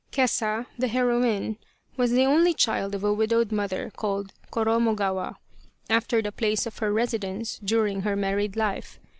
Kesa, the heroine, was the only child of a widowed mother called Koromogawa, after the place of her residence during her married life.